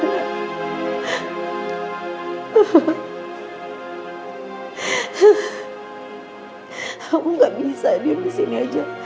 kamu gak bisa diam disini aja